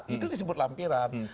itu disebut lampiran